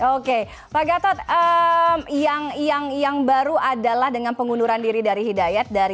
oke pak gatot yang baru adalah dengan pengunduran diri dari hidayat